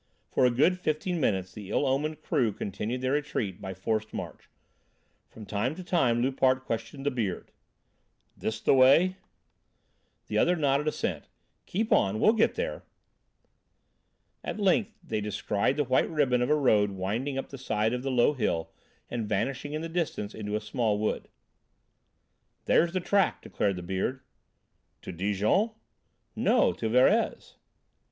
For a good fifteen minutes the ill omened crew continued their retreat by forced march. From time to time Loupart questioned the "Beard": "This the way?" The other nodded assent: "Keep on, we'll get there." At length they descried the white ribbon of a road winding up the side of the low hill and vanishing in the distance into a small wood. "There's the track," declared the Beard. "To Dijon?" "No, to Verrez."